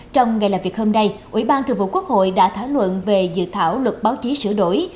trong ngày làm việc hôm nay ủy ban thường vụ quốc hội đã thảo luận về dự thảo luật báo chí sửa đổi